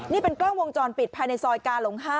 นี่เป็นกล้องวงจรปิดภายในซอยกาหลง๕